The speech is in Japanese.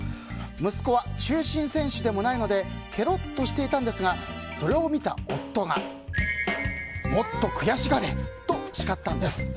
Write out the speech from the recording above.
息子は中心選手でもないのでケロッとしていたんですがそれを見ていた夫がもっと悔しがれ！と叱ったんです。